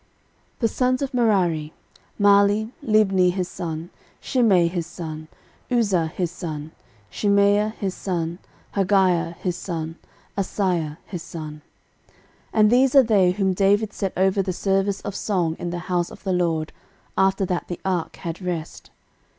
13:006:029 The sons of Merari; Mahli, Libni his son, Shimei his son, Uzza his son, 13:006:030 Shimea his son, Haggiah his son, Asaiah his son. 13:006:031 And these are they whom David set over the service of song in the house of the LORD, after that the ark had rest.